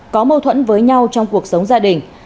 có mâu thuẫn với nhau trong cuộc sống gia đình